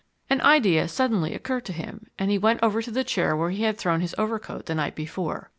An idea suddenly occurred to him, and he went over to the chair where he had thrown his overcoat the night before.